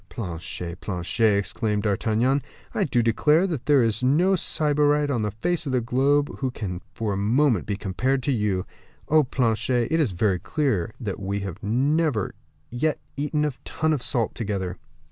"Planchet! Planchet!" exclaimed D'Artagnan, "I do declare that there is no sybarite upon the face of the globe who can for a moment be compared to you. Oh, Planchet, it is very clear that we have never yet eaten a ton of salt together."